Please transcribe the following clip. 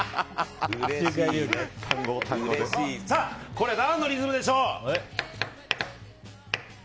さあ、これは何のリズムでしょう？